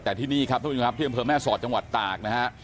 แต่ที่นี่ครับท่านผู้ชมครับที่อำเภอแม่สอดจังหวัดตากนะฮะ